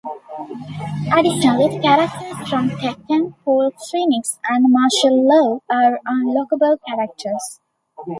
Additionally, the characters from "Tekken", Paul Phoenix and Marshall Law, are unlockable characters.